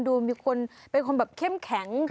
ดูมีคนเป็นคนแบบเข้มแข็ง